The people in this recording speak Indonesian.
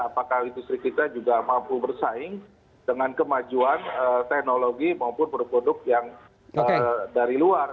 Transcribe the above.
apakah industri kita juga mampu bersaing dengan kemajuan teknologi maupun produk produk yang dari luar